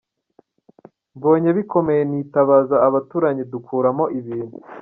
Mbonye bikomeye nitabaza abaturanyi dukuramo ibintu.